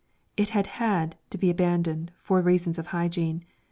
It had had to be abandoned for reasons of hygiene.